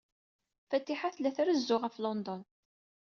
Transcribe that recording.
Fatiḥa tella trezzu ɣef London.